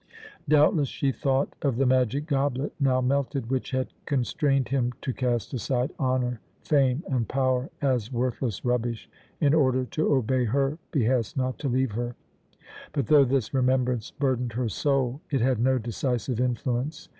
Doubtless she thought of the magic goblet, now melted, which had constrained him to cast aside honour, fame, and power, as worthless rubbish, in order to obey her behest not to leave her; but though this remembrance burdened her soul, it had no decisive influence.